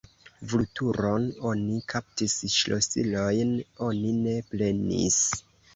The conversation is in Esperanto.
Vulturon oni kaptis, ŝlosilojn oni ne prenis!